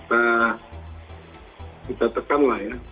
agar masalah ini bisa kita tekan lah ya